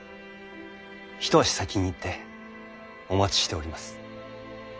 一足先に行ってお待ちしております。